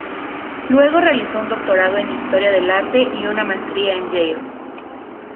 Luego realizó un doctorado en Historia del Arte y una maestría en Yale.